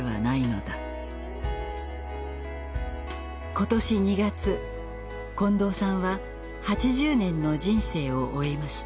今年２月近藤さんは８０年の人生を終えました。